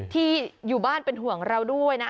ที่อยู่บ้านเป็นห่วงเราด้วยนะ